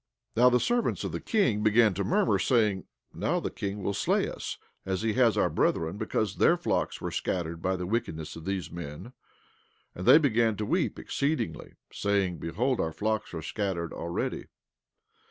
17:28 Now the servants of the king began to murmur, saying: Now the king will slay us, as he has our brethren because their flocks were scattered by the wickedness of these men. And they began to weep exceedingly, saying: Behold, our flocks are scattered already.